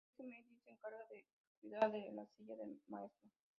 En el colegio, Mehdi se encarga de cuidar de la silla del maestro.